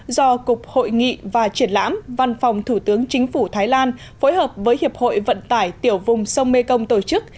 do cục hội nghị và triển lãm văn phòng thủ tướng chính phủ thái lan phối hợp với hiệp hội vận tải tiểu vùng sông mekong tổ chức